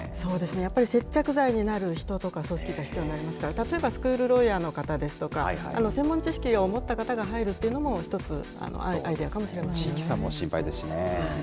やっぱり接着剤になる人とか、必要になりますから、例えばスクールロイヤーの方ですとか、専門知識を持った方が入るっていうのも一つ、アイデアかもしれま地域差も心配ですね。